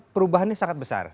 perubahannya sangat besar